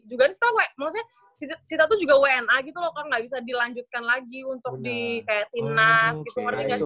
juga ini kita kayak maksudnya kita tuh juga wna gitu loh kak nggak bisa dilanjutkan lagi untuk di kayak tinas gitu ngerti nggak sih